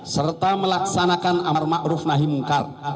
delapan serta melaksanakan amal amal